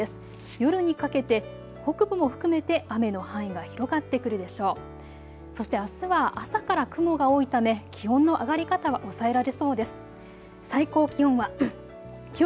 夜にかけて北部も含めて雨の範囲が広がってくるでしょう。